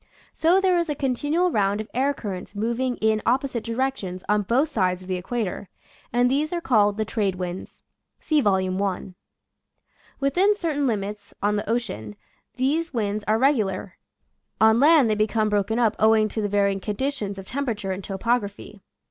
So there is a continual round of air currents moving in opposite directions on both sides of the equator, and these are called the trade winds. (See Vol. I.) Within certain limits, on the ocean, these winds are regular; on land they become broken up owing to the varying conditions of temperature and topography.